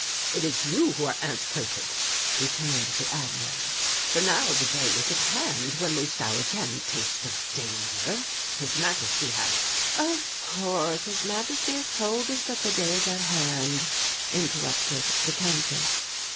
"It is you who are antiquated," returned the Admiral, "for now the day is at hand when we shall again taste of danger. His Majesty has " "Of course His Majesty has told us that the day is at hand," interrupted the Countess.